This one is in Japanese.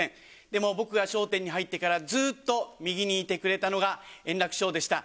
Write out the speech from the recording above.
でも僕が笑点に入ってから、ずっと右にいてくれたのが円楽師匠でした。